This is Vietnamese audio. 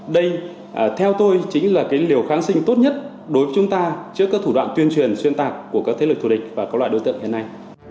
đây theo tôi chính là liều kháng sinh tốt nhất đối với chúng ta trước các thủ đoạn tuyên truyền xuyên tạc của các thế lực thù địch và các loại đối tượng hiện nay